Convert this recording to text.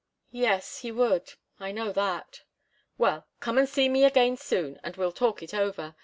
"Yes he would. I know that." "Well come and see me again soon, and we'll talk it over.